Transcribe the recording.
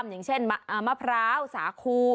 อย่างเช่นมะพร้าวสาคู